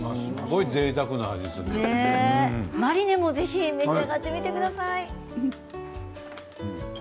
マリネもぜひ召し上がってみてください。